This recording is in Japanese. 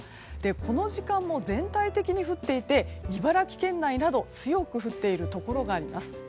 この時間も、全体的に降っていて茨城県内など強く降っているところがあります。